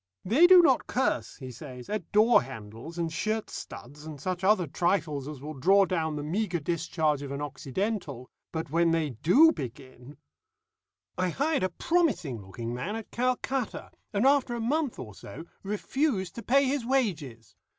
"They do not curse," he says, "at door handles, and shirt studs, and such other trifles as will draw down the meagre discharge of an Occidental, but when they do begin "I hired a promising looking man at Calcutta, and after a month or so refused to pay his wages.